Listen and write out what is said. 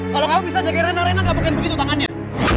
kalau kamu bisa jaga rina rina gak mungkin begitu tangannya